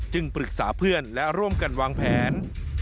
ปรึกษาเพื่อนและร่วมกันวางแผน